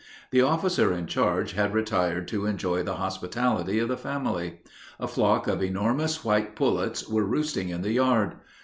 The officer in charge had retired to enjoy the hospitality of the family. A flock of enormous white pullets were roosting in the yard.